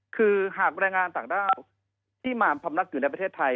คือหากแรงงานต่างด้าวที่มาพำนักอยู่ในประเทศไทย